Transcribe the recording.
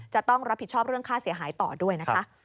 จะต้องรับผิดชอบเรื่องค่าเสียหายต่อด้วยนะคะ